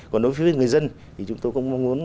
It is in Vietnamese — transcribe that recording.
còn đối với người dân thì chúng tôi cũng mong muốn